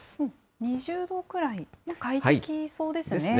２０度くらい、快適そうですですね。